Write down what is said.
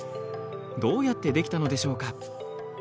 どうやって出来たのでしょうか？